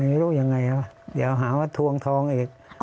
ไม่รู้ยังไงครับเดี๋ยวหาว่าทวงทองอีก